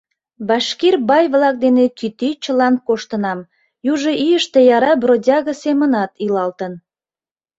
Башкир бай-влак дене кӱтӱчылан коштынам, южо ийыште яра бродяга семынат илалтын.